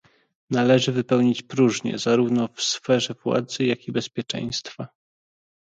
Należy wypełnić próżnię zarówno w sferze władzy, jak i bezpieczeństwa